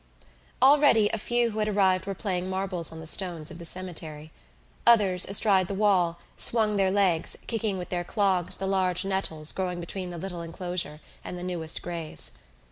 Already a few who had arrived were playing marbles on the stones of the cemetery. Others, astride the wall, swung their legs, kicking with their clogs the large nettles growing between the little enclosure and the newest graves.